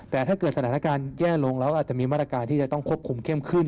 แต่ถ้าเกิดสถานการณ์แย่ลงแล้วก็อาจจะมีมาตรการที่จะต้องควบคุมเข้มขึ้น